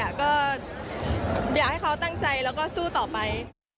ก็อยากให้เขาตั้งใจแล้วก็สู้ต่อไป